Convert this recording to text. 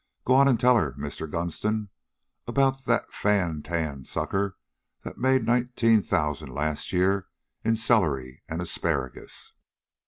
"Go on and tell her, Mr. Gunston, about that fan tan sucker that made nineteen thousan' last year in celery an' asparagus."